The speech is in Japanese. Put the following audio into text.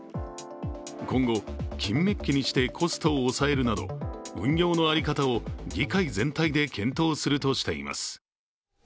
今後、金メッキにしてコストを抑えるなど運用の在り方を議会全体で検討するとしています。